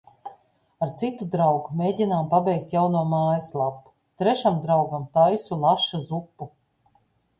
Ar citu draugu mēģinām pabeigt jauno mājaslapu, trešam draugam taisu laša zupu.